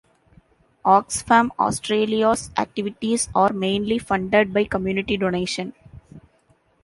Oxfam Australia's activities are mainly funded by community donation.